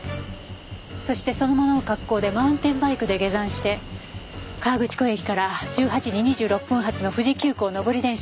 そしてそのままの格好でマウンテンバイクで下山して河口湖駅から１８時２６分発の富士急行上り電車に乗った。